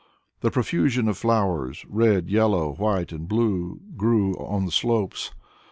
A profusion of flowers red, yellow, white and blue grew on the slopes.